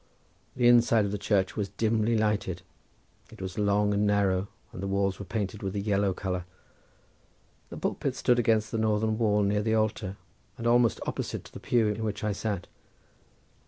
The inside of the church was dimly lighted; it was long and narrow, and the walls were painted with a yellow colour. The pulpit stood against the northern wall near the altar, and almost opposite to the pew in which I sat.